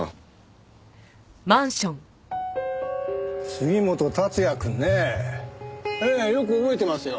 杉本竜也くんねええよく覚えてますよ。